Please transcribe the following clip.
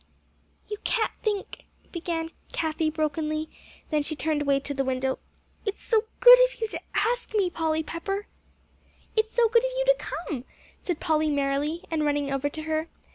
"You can't think," began Cathie brokenly; then she turned away to the window "it's so good of you to ask me, Polly Pepper!" "It's so good of you to come," said Polly merrily, and running over to her.